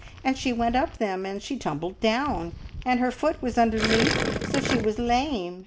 and she went up them, and she tumbled down, and her foot was underneaf, so she was lame.